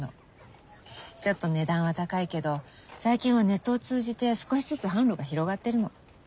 ちょっと値段は高いけど最近はネットを通じて少しずつ販路が広がってるの。